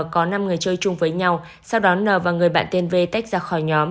có năm người chơi chung với nhau sau đó n và người bạn tên v tách ra khỏi nhóm